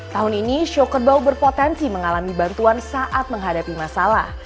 tahun ini show kerbau berpotensi mengalami bantuan saat menghadapi masalah